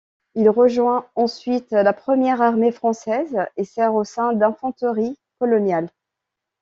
Il rejoint ensuite la Ire armée française et sert au sein du d'infanterie coloniale.